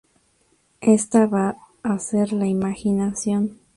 Esta va a ser la imaginación.